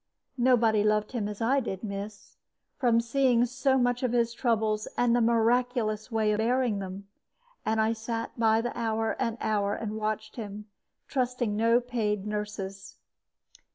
Nobody loved him as I did, miss, from seeing so much of his troubles and miraculous way of bearing them; and I sat by the hour and hour, and watched him, trusting no paid nurses.